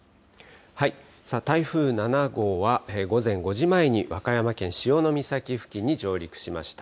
台風７号は、午前５時前に和歌山県潮岬付近に上陸しました。